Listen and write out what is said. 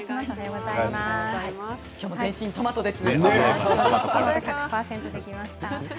今日も全身トマトです。